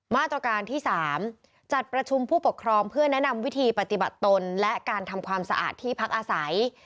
มาตรการที่๓จัดประชุมผู้ปกครองเพื่อแนะนำวิธีปฏิบัติตนและการทำความสะอาดที่พักอาศัย